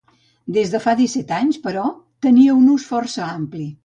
Des de fa disset anys, però, tenia un ús força ampli.